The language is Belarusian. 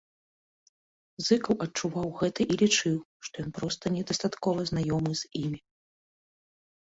Зыкаў адчуваў гэта і лічыў, што ён проста недастаткова знаёмы з імі.